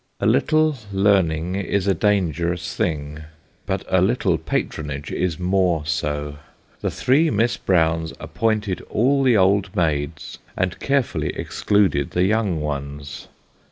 A little learning is a dangerous thing, but a little patronage is more so ; the three Miss Browns appointed all the old maids, and carjefully excluded the young ones.